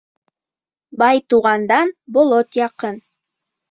Бай туғандан болот яҡын.